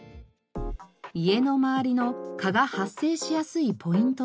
家の周りの蚊が発生しやすいポイントとは。